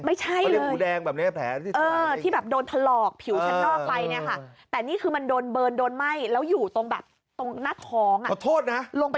ไม่ใช่เลยเออที่แบบโดนถลอกผิวชั้นนอกไปนี่ค่ะ